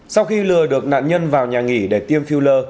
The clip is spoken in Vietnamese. sau khi lừa được nạn nhân vào nhà nghỉ để tiêm phiêu lơ